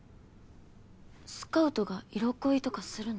スカウトが色恋とかするの？